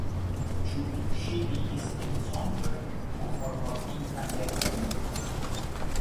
Ĉu ŝi vidis en sonĝo la formortintan edzon?